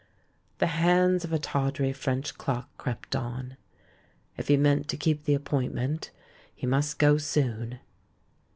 The hands of a tawdry French clock crept on. If he meant to keep the appointment, he must go soon!